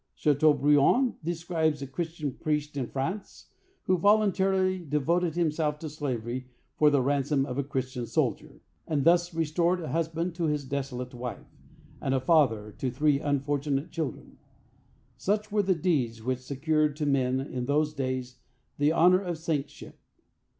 Chateaubriand describes a Christian priest in France who voluntarily devoted himself to slavery for the ransom of a Christian soldier, and thus restored a husband to his desolate wife, and a father to three unfortunate children. Such were the deeds which secured to men in those days the honor of saintship.